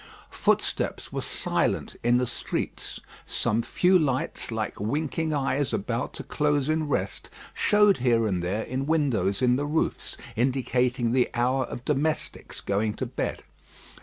Footsteps were silent in the streets. Some few lights, like winking eyes about to close in rest, showed here and there in windows in the roofs, indicating the hour of domestics going to bed.